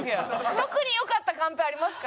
特に良かったカンペありますか？